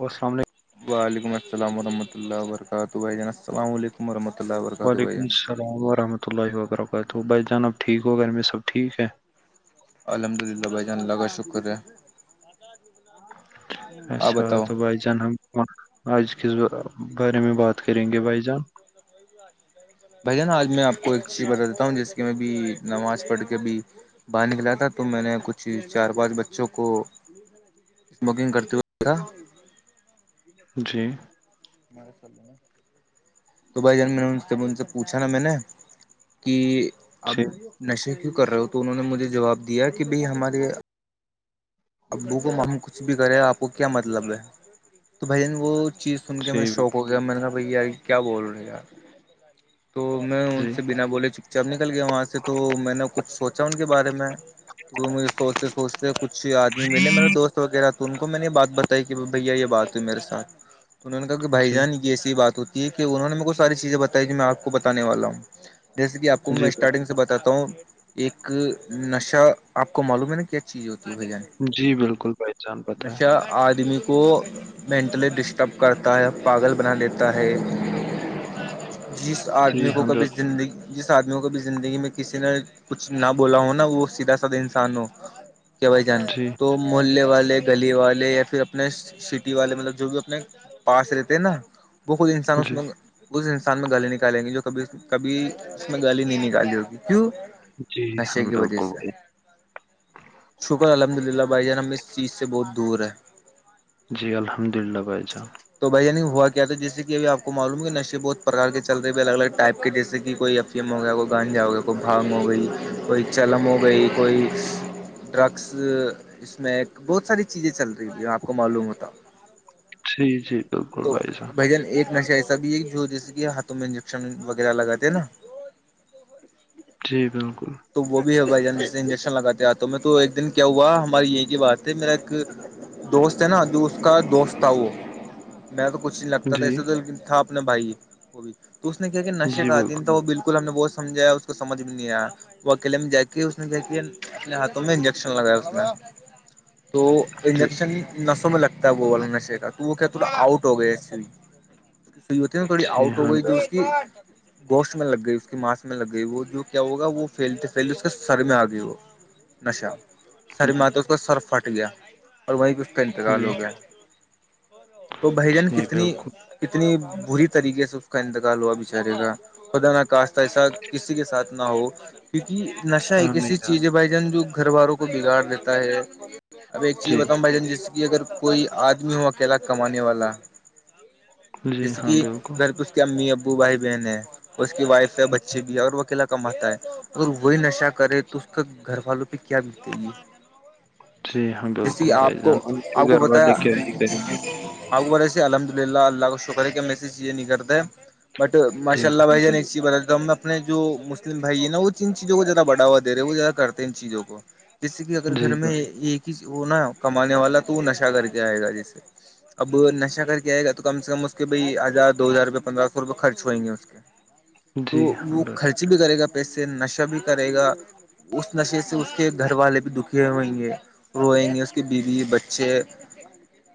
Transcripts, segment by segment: السلام علیکم وعلیکم السلام ورحمۃ اللہ و برکاتہلہ السلام علیکم [unintelligible] وعلیکم السلام ورحمۃ اللہ وبرکاتہ بھائی جان اب ٹھیک ہو گھر میں سب ٹھیک ہے الحمد للہ بھائی جان اللہ کا شکر ہے [inaudible] آپ بتاؤ [unintelligible] آج کس بارے میں بات کریں گے بھائی جان [inaudible] بھ جانا آج میں آپ کو ایک چیز بتا دیتا ہوں جیسے کہ میں بھیھی نماز پڑھ کے بھی باہر نکلا تھا تو میں نے کچھ چار پانچ بچوں کو [inaudible] اسموکنگ کرتے ہوئےا [inaudible] [inaudible] تو بھائی جان میں نے ان سے ان سے پوچھا نا میں نے کہ اب جی نشے کیوں کر رہے ہو تو انہوں نے مجھے جواب دیا کہ بھائی ہمارے ابو کو ہم کچھ بھی کرے آپ کو کیا مطلب ہے تو بھین وہ چیز سن کے م جی شوق ہو گیا میں نے کہا بھ یار کیا بول رہے یار تو میں ان جی سے بنا بولے چپ چپ نکل گیا وہاں سے تو میں نے کچھ سوچا ان کے بارے میں وہ مجھے سوچتے سوچتے کچھ آ ملے میرے دوست وغیرہ تو ان کو میں نے یہ بات بتائی کہ بھیا یہ بات ہےئی میرے سھ تو انہ نے کہا کہ بھائی جی جان یہ سی بات ہو یک ہے انہوں نے میرے کو ساری چیزیں بتائی جو میں آپ کو بتے والا ہوں جیسے کہ آ کو میں جی اسٹارٹنگ سے باتا ہوں ایک نشہ آپ کو معلوم ہے نا کیا چیز ہوتی ہے بھ جان جی بالکل بھائی جان پتہ ہے نشا آدمی کو مینٹلی ڈسٹرب کرتا ہے پاگل بنا لیتا ہے جس جی آدمی کو ہاں کبھی بالکل زندگی جس آدمیوں کو بھی زندگی میں کسی نے کچھ نہ بولا ہو نا وہ سیدھا ساادا انسان ہو کہ بائی جان جی تو محلے والے گلی والے یا پھر اپنے سٹی والے مطلب جو بھی اپنے پاس لیتے ہیں نا بہت انسان اس جی میں اس انسان میں گال نکالیں گی جو کبھی کبھی اس میں گالی نہیں نکالی ہوگی کیوں جی بس ہاں کی ب بالکل دیس بھائی [unintelligible] شکر الحمد للہ بھائی جان ہم اس چیز سے بہت دور ہیں جی الحمد للہ بھائی جان تو بھائی عنی ہوا کیا تھا جیسے کہ اب آپ کو معلوم ہے کہ نشے بہت پرکار چ رہے ہیں الگ الگ ٹائپ کے جیسے کہ کوئی اب م ہو گیا کوئی گانجا ہو گیا کوئی بھاگ ہو گئی کوئی چلم ہو گئی کوئی ڈرگس اسمیک بہت ساری چیزیں چل رہی آپ کو معلوم ہوتا جی جی بالکل تو جان بھائی جن ایک نش سبھی ایک جو جیسے کہ ہاتھوں میں انجیکشن وغیرہ لگاتے ہیں نا جی بالکل تو وہ بھی ہو بھائی جان جیسے انجیکشنگاتے آتے تو میں تو ایک دن کیا ہوا ہماری یہی کی بات ہے میرا ایک دوست ہے نا جو اس کا دوست تھا وہ میر تو کچھ نہیں لگتا تھا جی ایے تو لیکن تھا اپنے بھائی وہ بھی تو اس نے کیا کہ نشے کااتین تھا وہ بالکل ہم نے بہت سمجایا کو سمجھ بھی نہیں آیا وہ اکیلے میں جا کے اس نے ج کے اپنے ہاتھوں میں انجیکشن لگایا اس میں تو جی انجیکشن [unintelligible] نسوں میں لگتا ہے وہ نشے کا تو وہ کیا تھوڑا آؤٹ ہو گیا سئی ہوتی ن تھوڑی جی آؤٹ ہو ہاں گئی جو اس کی گوشت میں لگ گئی اس کی ماس میں لگ گئی وہ جو کیا ہوگا وہ پھیلتے پھیلتے اس کے سر میں آ گئی وہ نشہ [unintelligible] ساری بالکل ماتات اس کا سر پھٹ گیا اور وہ اس کا انتقال جی ہو گیا تو بھائیجن جی کتنی بالکل کتنی بری طریقے سے اس کا انتقال ہوا بچارے گا خدا نہ کاشت ایسا کسی کے ساتھ نہ ہو کیونکہ نشہ ہاں ایک ایسی میرا چیز ہے بھائی جان جو گھر والوں کو بگاڑ دیتا ہے اب ایک چیز جی بتاؤں بھائی جان جیسے کہ اگر کوئی آدمی ہو اکیلا کمانے والا جی جیسے ہاں، کہ بالکل۔ گھر پست اس کے امی ابو بھائی بہن ہے اور اس کی وائف ہے بچی بھی ہے اور وہ اکیلا کماتتا ہے اور وہی نشہ کرے تو اس کے گھر والوں پہ کیا بیتے گے جی ہاں بالکل بھائی کو جان کے گھر والے کیا ہی کریں گے آ ویسے الحمد للہ اللہ کا شکر ہے کہ م سے چ یہ نہیں کرتا ہے بٹ جی ماشا اللہ بھ جان ایک الحمدللہ چیز بتاتے ہم اپنے جو مسلم بھائی ہے نا وہ ان چیزوں کو زیادہ بڑھا دے وہ زیادہ کرتے ان چیزوں کو جس کہ اگر جی گھر میں بھائی ایک ہی وہ نا کمانے والا تو وہ نشہ کر کے آئے گا جیسے اب نشہ کر کے آئے گا تو کم سے کم اس کے بھ ہزار دو ہزار روپئے پندرہ سو روپئے خرچ ہوئ گے اس کے تو جی ہاں وہ بھائی ک بھی کرے گا پیسے نشہ بھی کرے گا اس نشے سے اس کے گھر والے بھی دکھ ہوئیں گے روئیں گے اس کے بیوی بچے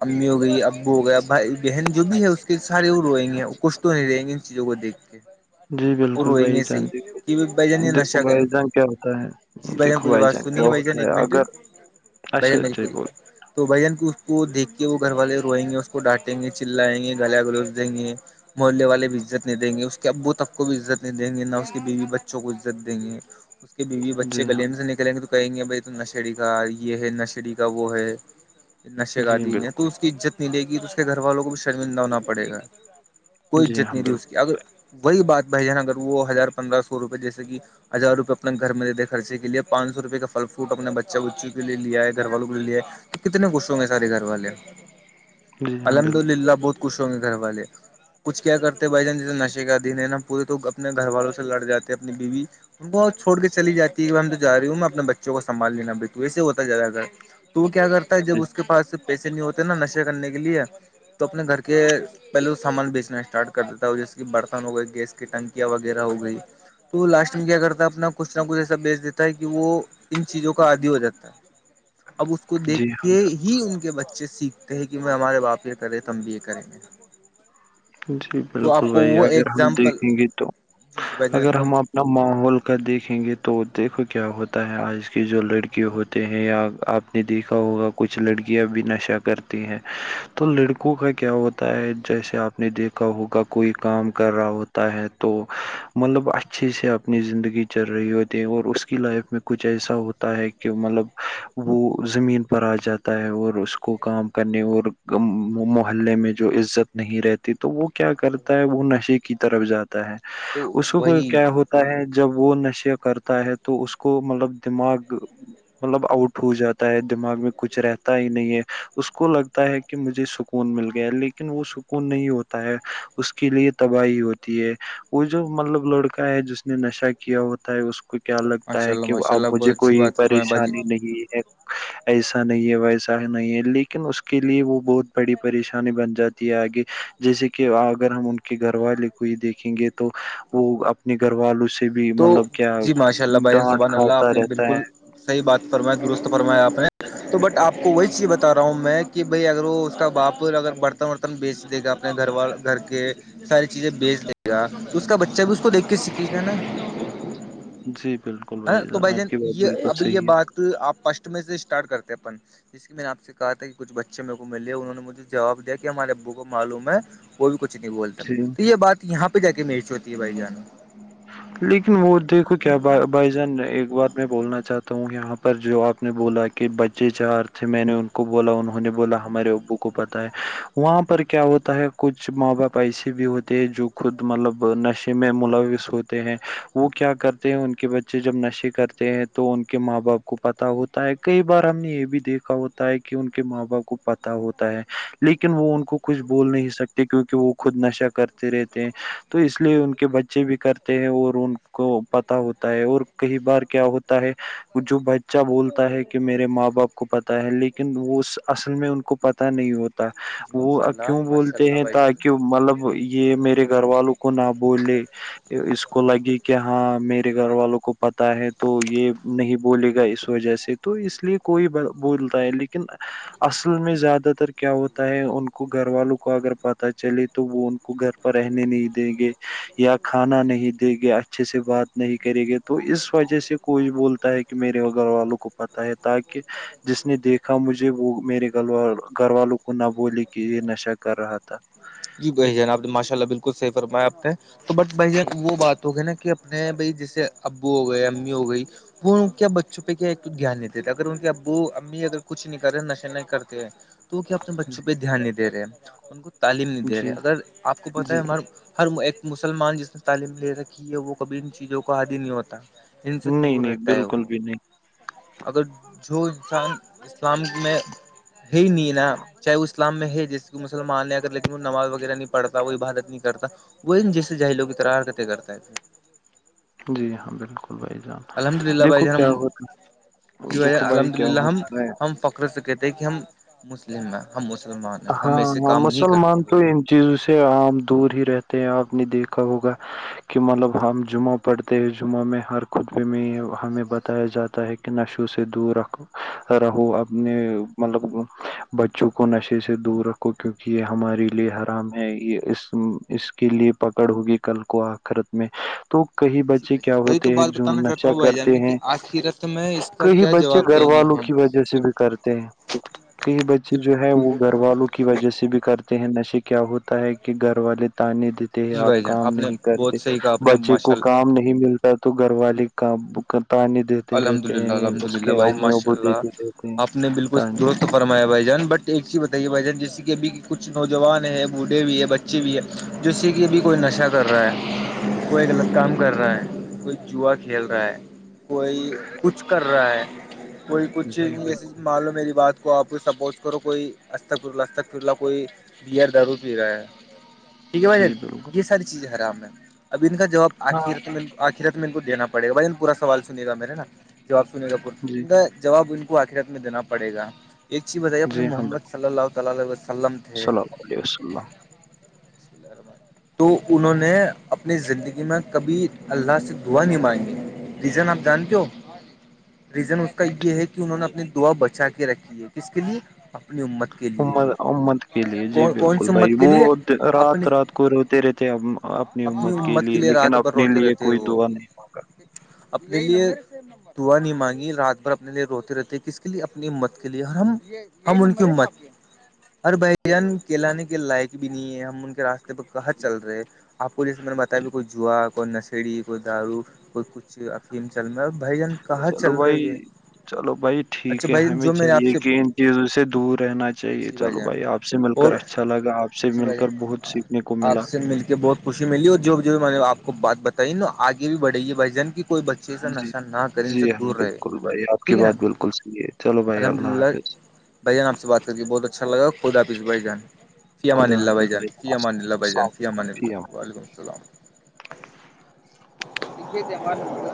امی ہو گئی ابو ہو گیا بھائی بہن جو بھی ہے اس کے سارے وہ روئیں گے کچھ تو نہیں رہیں گے ان چیزوں کو دیک جی اور بالکل روئی بھائی گے صی جان دیکھو کہ بائی جانی دیکھو نشہ کریں بھائی جان کیا ہوتا ہے جی بھجن دیکھو پوری بھائی بات جان کیا سنی ہے بجان ہوتا ایک منٹ اگر اچھا بھجن ب جی پوری بول تو بھائی جن کو اس کو دیکھ کے وہ گھر والے روئیں گے اس کو ڈانٹیں گے چلائیں گے گلا گلوز دیں گے محلے والے بھی عزت نہیں دیں گے اس کے ابو تب کو بھی عزت نہیں دیں گے نہ اس کے بیوی بچوں کو عزت دیں گے ب بیوی بچے جی ہاں گلیے سے نلیں گے تو کہیں گے بائی تم نش کا یہ ہے نشریی کا وہ ہے نشے کا جی دین ہے تو بالکل اس کیت دے گی تو اس کے گھر والوں کو بھی شرمندہ ہونا پڑے گا کوئی جی عزت ہاں نہیں دی اس بالکل کی اگر وہی بات بھائی جان اگر وہ ہزار پندرہ سو روپئے جیسے کہ ہزار روپ اپنے گھر میںےتے خرچ کےے پان سوپئے فھ فروٹ اپنے بچے بچا بچی کے لیے آئے گھر والوں کے لیے لیائے تو کتنے خوش ہوں گے سارے گھر والے جی ہاں الحمد بالکل للہ بہت خوش ہوں گے گھر والے کچھ کیا کرتے ہیں بھائی جان جیسے نشے کا ادھین ہے نا پورے تو اپنے گھر والوں سے لڑ جاتے ہیں اپنی بیوی بہت چھوڑ کے چلی جاتی ہے کہ میں تو جا رہیوں میں اپنے بچ کو سنبھ لینا وسے ہوتا ہے جیادا کر تو وہ کیا کرتا ہے جب اس کے پاس پیسے نہیں ہوتے نا نشے کرنے کے لیے تو اپنے گھر کے پہلے وہ سامان بیچنا اسٹارٹ کر دیتا تھا جیسے کہ برتن ہو گئے گیس کی ٹنکیاں وغیرہ ہو گئی تو لاسٹ میں کیا کرتا ہے اپنا کچھ نہ کچھ ایسا بیچ دیتا ہے کہ وہ ان چیزوں کو آادی ہو جاتا ہے اب اس کو دیکھ جی ہاں کے ہی ان کے بچے سیکھتے ہیں کہ میں ہمارے باپ یہ کر رہے تو ہم بی اے کریں گے جی تو آپ بالکل کو بھائی وہ اگر ہم ایگزامپل دیکھیں گے تو جی جی بھائی جان اگر ہم آپ ن ماحول کا دیکھیں گے تو دیکھو کیا ہوتا ہے آج کی جو لڑکے ہوتے ہیں یا آپ نے دیکھا ہوگا کچھ لڑکیاں بھی نشہ کرتی ہیں تو لڑکوں کا کیا ہوتا ہے جیسے آپ نے دیکھا ہوگا کوئی کام کر رہا ہوتا ہے تو مطلب اچھے سے اپنی زندگی چل رہی ہوتی اور اس کی لائف میں کچھ ایسا ہوتا ہے کہ مطلب وہ زمین پر آ جاتا ہے اور اور اس کو کام کرنے اور محلے میں جو عزت نہیں رہتی تو وہ کیا کرتا ہے وہ نشے کی طرف جاتا ہے تو اس کو کو وہی کیا ہوتا ہے جب وہ نشیا کرتا ہے تو اس کو مطلب دماغ مطلب آؤٹ ہو جاتا ہے دماغ میں کچھ رہتا ہی نہیں ہے اس کو لگتا ہے کہ کہ مجھے سکون مل گیا ہے لیکن وہ سکون نہیں ہو ہوتا ہے اس کے لیے تباہی ہوتی ہے وہ جو مطلب لڑکا ہے جس نے نشہ کیا ہوتا اس کو کیا لگتا ماشاء ہے اللہ کہ ماشاء اب اللہ مجھے بہت اچھی کوئی بات فرمائے باجی پریشانی نہیں ہے ایسا نہیں ہے ویسا نہیں ہے لیکن اس کے لیے وہ بہت بڑی پریشانی بن جاتی گ جیسے کہ اگر ہم ان کے گھر والے کو ہی دیکھیں گے تو وہ اپنے گھر والوں سے سے بھی تو مطلب کیا جی ماشاء ڈانٹ کھاتا رہتا ہے صحی بات فرمایا درست فرمایا آپ نے تو بٹ آپ کو وہی چیز بتا رہا ہوں میں کہ بھائی اگر وہ اس کا باپر اگر بڑھتا وڑھتا بیچ دے گا اپنے گھر وال گھر کے ساری چیزیں بیچ دے گا تو اس کا بچہ بھی اس کو دھ کس جی ہ جی بالکل بھائی تو جان آپ بجن کی بات یہ بالکل اب یہ صحیح ہے بات آپ پسٹ میں سے اسٹارٹ کرتے ہیں اپ جس کی میں نے آپ سے کہا تھا کہ کچھ بچے میرے کو ملے انہوں نے مجھے جواب دیا کہ ہمارے ابو کو معلوم ہے وہ بھی کچھ نہیں بولتا میں جی تو یہ بات یہاں پہ جا کے میش ہوتی ہے بھائی جانو لیکن وہ دیکھو کیا ب بھائی جان ایک بات میں بولنا چاہتا ہوں یہاں پر جو آپ نے بولا کہ بچے چار تھے میں نے ان بولا انہوں نے بولا ہمارے ابو کو پتا ہے وہاں پر کیا ہوتا ہے کچھ ماں باپ ایسے بھی ہوتے ت جو خود مطلب نشے میں ملوث ہوتے ہیں وہ کیا کرتے ہیں ان کے بچے جب نشے کرتے ہیں تو ان کے ماں باپ کو پتا ہوتا ہے کئی بار ہم نے یہ بھی دیکھا ہوتا ہے کہ ان کے ماں باپ کو پتا ہوتا ہے لیکن وہ ان کو کچھ بول نہیں سکتے کیونکہ وہ خود نشہ کرتے رہتے ہیں تو اس لیے ان کے بچے بھی کرتے ہیں اور ان کو پتا ہوتا ہے اور کئی بار کیا ہوتا ہے جو بچہ بولتا ہے کہ میرے ماں باپ کو پتا ہے لیکن وہ اس اصل میں ان کو پتا نہیں ہوتا جی وہ ماشاء کیوں اللہ ماشاء بولتے اللہ ہیں بھائی ت جان کی مطلب یہ میرے گھر والوں کو نہ بولے اس کو لگے کہ ہاں میرے گھر والوں کو پتا ہے تو یہ نہیں بولے گا اس وجہ سے تو اس لیے کوئی بولتا ہے لیکن اصل میں زیادہ تر کیا ہوتا ہے ان کو گھر والوں کو اگر پتا چلے تو وہ ان کو گھر پر رہنے نہیں دیں گے یا کھانا نہیں دے گیا اچھے سے بات نہیں کرے گے تو اس وجہ سے کوئی بولتا ہے کہ میرے گھر والوں کو پتا ہے تاکہ جس نے دیکھا مجھے ج وہ میرے گھر وال گھر والوں کو نہ بولے کہ یہ نشہ کر رہا تھا جی بھی جناب ماشاء اللہ بالکل صحی فرمایا آپ نے تو بٹ بھ یہ وہ بات ہو گی نا کہ اپنے بھائی جیسے ابو ہو گئے امی ہو گئی وہ کیا بچوں پہ کیا دھیان دیتے تھے اگر ان کے ابو امی اگر کچھ نہیں کر رہے نشے نہیں کرتے تو کیا اپنے بچوں جی پہ دھیان نہیں دے رہے ہیں ان کو تعلیم نہیں دے جی رہے اگر آپ کو پت ہے جی ہمار ہر ایک مسلمان جس نے تعلیم لے رکھی ہے وہ کبھی ان چیزوں کو حادی نہیں ہوتا ان سے نہیں دور نہیں رہتا ہے وہ بالکل بھی نہیں اگر جو انسان اسلامک میں ہے ہی نہیں نا چاہے وہ اسلام میں ہے جیسے مسلمان نے اگر ل نماز وغیرہ نہیں پڑتا وہ عبادت نہیں کرتا وہ جیسے جاہی لوگ کیتر حرکتیں کرتا ہے جی ہاں بالکل بھائی جان الحمد للہ بھائی دیکھو جان کیا ہوتا ج بھائی جان دیکھو الحمد کیا للہ ہم ہوتا ہے ہم پکڑ سکے تھے کہ ہم مسلم ہیں ہم مسلمان ہیں ہاں ہم ایسے ہاں کام نہیں مسلمان کرتے بھ تو ان چیزوں سے عام دور ہی رہتے ہیں آپ نے دیکھا ہوگا کہ مطلب ہم جمعہ پڑھتے ہیں جمعہ میں ہر خطبے میں ہمیں بتایا جاتا ہے کہ نشوں سے دور رکھ رہو اپنے مطلب بچوں کو نشے سے دور رکھو کیونکہ یہ ہمارے لیے حرام ہے یہ اس اس کے لیے پکڑ ہوگی کل کو کوخرت میں تو کئی جی بچے بھائی جان کیا وہی تو ہوتے ہیں بات جو بتانا چاہتا نشہ ہوں بھائی کرتے جان کی ہیں آخرت میں اس کا کئی کیا بچے جواب گھر دیں گے والوں ہم کی وجہ جیسے بھی کرتے ہیں کئی بچے جو ہے وہ گھر والوں کی وجہ سے بھی کرتے ہیں نشے کیا ہوتے ہے کہ گھر والے تانے دیتے ہیں جی آپ بھائی جان کام نے نہیں کرتے بہت صحیح کہا آپ نے بچے کو ماشاء اللہ کام نہیں ملتا تو گھر والے کا تے د تے الحمد رہتے للہ ہیں الحمد اس للہ کے بھائی ا ماشاء ا دیتے رہتے ہیں رمایا بھائی جان بٹ ایک چیز بتائیے بھائی جان جیسے کہ ابھی کچھ نوجوان ہے بوڑھے بھی ہے بچے اچھی بھی ہے جس سے کہ بھی کوئی نشہ کر رہا ہے کوئی غلط کام کر رہا ہے کوئی چوہا کھیل رہا ہے کوئی کچھ کر رہا ہے کوئی کچھ جی بالکل ایسی مانو میری بات کو آپ کو سپوٹ کرو کوئی اسستق پرلہ اسستق پرلالہ کوئی گئر درور پی رہا ہے ٹھیک ہے بھائی جان جی بالکل یہ ساری چیزیں ہےرام ہے اب ان کا جواب ہاں آخر لے لو آخرت میں م ان کو دینا پڑے گا بھائی نہیں پورا سوال سنے گا میرا نا جو آاب سنے جی گاورا جواب ان کو آخرت میں دینا پڑےا ایک چیز بتائیے اپنے جی ہاں بالکل محمد صلی اللہ تع وسلم تھے السلام عل وس اللہ تو انہوں نے اپنی زندگی میں کبھی اللہ سے دعا نہیں مانگی ریزن آپ جانتے ہو ریزن اس کا یہ ہے کہ انہوں نے اپنی دعا بچا کے رکھھی کس کے لیے اپنی ات کے لیے امت امت کے لیے جی کون س بالکل مت بھائی کے وہ لیے اپنی رات رات کو روتے رہتے ہم اپنی امت کے لیے رات لیکن بھر اپنے روتے لیے رہتے ہیں کوئی وہ دعا نہیں مانگا جے دعا نہیں مانگی رات بھر اپنے لیے روتے رہتے کس کے لیے اپنی ہمت کے لیے اور ہم ہم ان کی ات ہر بھائی جان کہلانے کے لائق بھی نہیں ہے ہم ان کے راستے کہاں جی چل رہے آپ کو جیسے میں نے بتایا کوئی جا کوئی نسیڑی کوئی دارو کوئی کچھ افھیم چل میں بھائیجن کہاں چلو چل رہے بھائی یہ چلو بھائی ٹھیک ہے ہمیں چاہیے سے کہ ان چیزوں سے دور رہنا چاہیے جی چلو جان بھائی آپ آپ سے مل کر اور اچھا لگا آپ سے جی مل بھائی جان کر بہت سیکھنے کو آپ ملا سے مل کے بہت خوشی ملی اور جو بھی جو میں نے آپ کو بات بتائی نا آگے بھی بڑے گے بھجن کی کوئی چیزا جی نشہ نہ کر ان سے جی ہاں دور رہے بالکل بھائی آپ کی ٹھیک ہے نا بات بالکل صحیح ہے چلو بھائی الحمد اللہ للہ حافظ بھ جان آپ سے بات کریے بہت اچھا لگا خود آپفظ بائی جان فی امان خدا اللہ حافظ بھائیجان بھائی فی امان اللہ بھائیجان السلام فی علیکم امانلہ جی وعلیکم السلام ت ہار